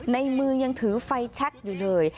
ในมือยังถือไฟแชคอยู่เลย